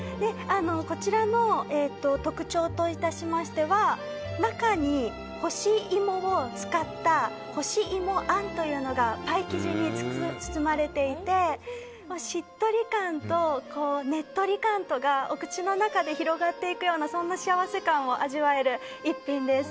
こちらの特徴としては中に干し芋を使った干し芋あんというのがパイ生地に包まれていてしっとり感と、ねっとり感とがお口の中で広がっていくようなそんな幸せ感を味わえる逸品です。